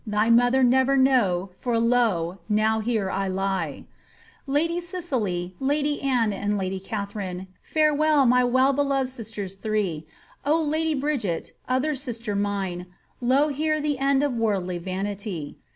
Thy mother never know, for lo, now here I lie I lady Cecily, lady Anne, and lady Katharine 1 Farewell, my well beloved sisters three^ Oh lady Bridget,* other sister mine, Lo here the end of worldly vanity.